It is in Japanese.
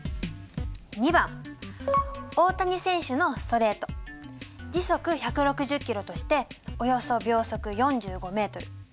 ②番大谷選手のストレート時速１６０キロとしておよそ秒速４５ｍ。